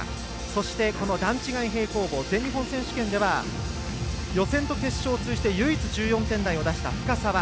そして段違い平行棒全日本選手権では予選と決勝通じて唯一、１４点台を出した深沢。